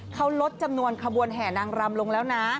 เขาลดจำนวนขบวนแห่นางรำลงแล้วนะ